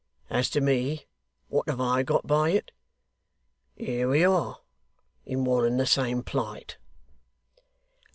As to me, what have I got by it? Here we are, in one and the same plight.